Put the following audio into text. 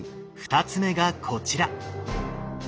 ２つ目がこちら。